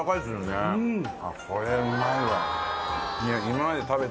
これうまいわ。